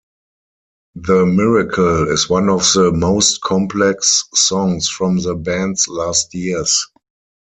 "The Miracle" is one of the most complex songs from the band's last years.